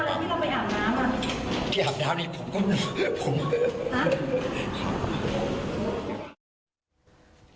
แล้วพี่เข้าไปอาบน้ำอ่ะที่อาบน้ำนี่ผมก็ฮะ